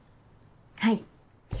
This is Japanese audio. はい。